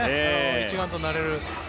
一丸となれる。